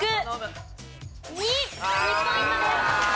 ２ポイントです。